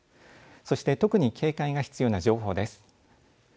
そして特に警戒が必要な情報です。